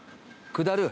下る。